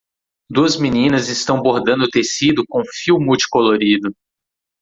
Duas meninas estão bordando tecido com fio multicolorido.